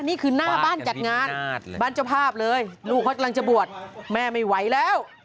นี่คือหน้าบ้านจัดงานบ้านเจ้าภาพเลยลูกเขากำลังจะบวชแม่ไม่ไหวแล้ว